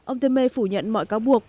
ông temer phủ nhận mọi cáo buộc